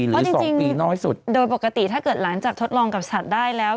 เพราะสองปีน้อยสุดโดยปกติถ้าเกิดหลังจากทดลองกับสัตว์ได้แล้ว